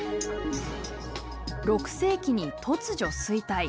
６世紀に突如衰退。